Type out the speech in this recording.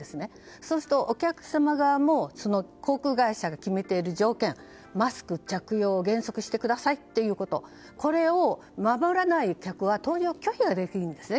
そうするとお客様側も航空会社の決めている条件マスク着用をしてくださいとこれを守らない客は搭乗の拒否をできるんですね。